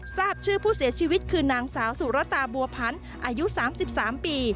ทราบชื่อผู้เสียชีวิตคือนางสาวสุรตาบัวพันธ์อายุ๓๓ปี